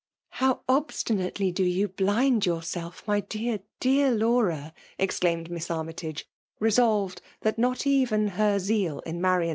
"How ob&^nately do you blind yonrseli; my dear, dear Laura !" exclaimed Miss Armjh^ tage, — resolved that not even her zeal ia EBMAJLB DOMINATION.